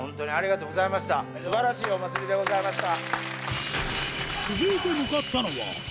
素晴らしいお祭りでございました。